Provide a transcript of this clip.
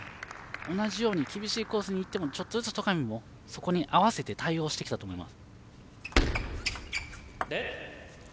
同じように厳しいコースにいってもちょっとずつ、戸上もそこに対応してきたと思います。